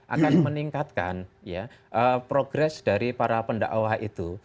akan meningkatkan progres dari para pendakwah itu